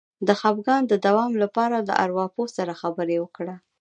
د خپګان د دوام لپاره له ارواپوه سره خبرې وکړئ